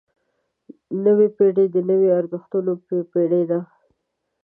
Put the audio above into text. نوې پېړۍ د نویو ارزښتونو پېړۍ ده.